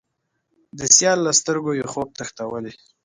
د سیال له سترګو یې، خوب تښتولی